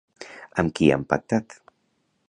Amb qui han pactat?